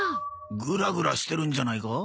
グラグラしてるんじゃないか？